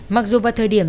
mặc dù vào thời điểm